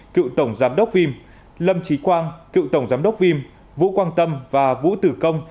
cựu tổng giám đốc vim lâm trí quang cựu tổng giám đốc vim vũ quang tâm và vũ tử công